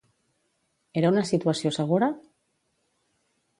Era una situació segura?